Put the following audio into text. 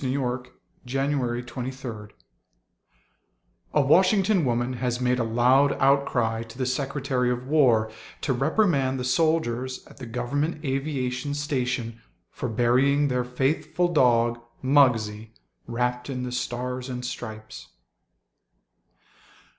THE FLAG AND THE FAITHFUL (A Washington woman has made a loud outcry to the Secretary of War to reprimand the soldiers at the Government Aviation Station for burying their faithful dog, Muggsie, wrapped in the Stars and Stripes.)